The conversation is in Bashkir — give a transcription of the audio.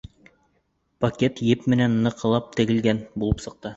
Пакет еп менән ныҡлап тегелгән булып сыҡты.